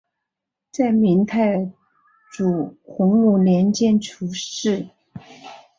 在明太祖洪武年间出仕。